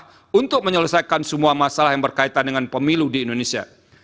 dan menyelesaikan semua masalah yang berkaitan dengan pemilu di indonesia